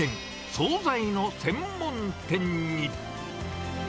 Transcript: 総菜の専門店に。